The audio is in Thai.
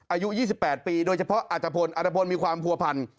อายุ๒๘ปีโดยเฉพาะอัตภพลอัตภพลมีความผัวพัน